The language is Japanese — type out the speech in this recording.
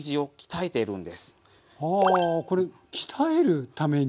はあこれ鍛えるために？